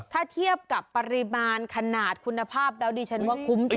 ถ้าเทียบกับปริมาณขนาดคุณภาพแล้วดิฉันว่าคุ้มจริง